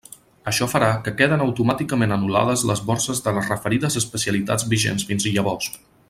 Això farà que queden automàticament anul·lades les borses de les referides especialitats vigents fins llavors.